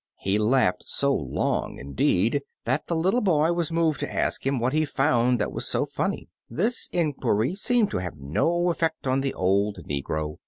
He laughed so long indeed, that the little boy was moved to ask him what he had found that was so funny. This inquiry seemed to have no effect on the old negro.